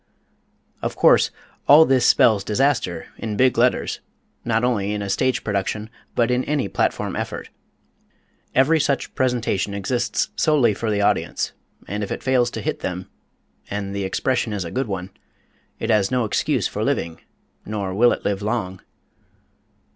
Of course, all this spells disaster, in big letters, not only in a stage production but in any platform effort. Every such presentation exists solely for the audience, and if it fails to hit them and the expression is a good one it has no excuse for living; nor will it live long.